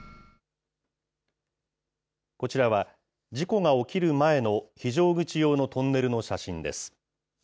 こちらは、事故が起きる前の非常口用のトンネルの写真です。